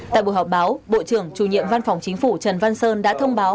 tại buổi họp báo bộ trưởng chủ nhiệm văn phòng chính phủ trần văn sơn đã thông báo